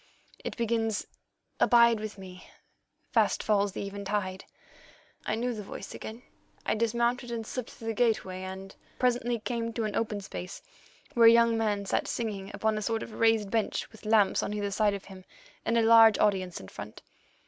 It begins: 'Abide with me, fast falls the eventide.' "I knew the voice again. I dismounted and slipped through the gateway, and presently came to an open space, where a young man sat singing upon a sort of raised bench with lamps on either side of him, and a large audience in front.